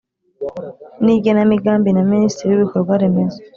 N igenamigambi na minisitiri w ibikorwa remezo